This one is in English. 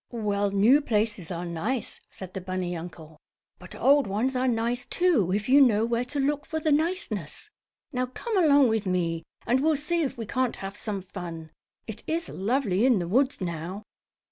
"Well, new places are nice," said the bunny uncle, "but old ones are nice, too, if you know where to look for the niceness. Now come along with me, and we'll see if we can't have some fun. It is lovely in the woods now."